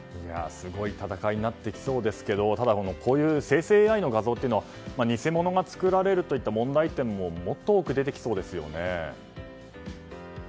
すごい戦いになってきそうですがただ、生成ＡＩの画像というのは偽物が作られるという問題点ももっと多く出てきそうですね。